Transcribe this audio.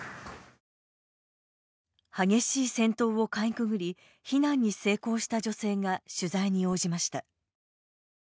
激しい戦闘をかいくぐり避難に成功した女性が取材に応じました。